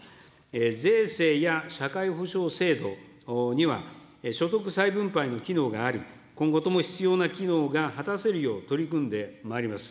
税制や社会保障制度には、所得再分配の機能があり、今後とも必要な機能が果たせるよう、取り組んでまいります。